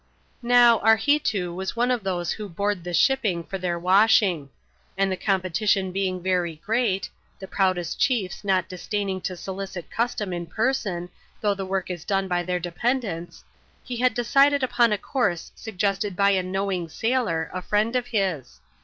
Now, Arheetoo was one of those who board the shipping for their washing; and the competition being very great (the proudest chiefs not disdaining to s(^it custom in person, though the work is done by their dependents), he had decided npon a course suggested by a knowing sailor, a friend of his.